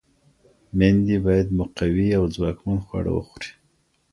میندې باید مقوي او ځواکمن خواړه وخوري.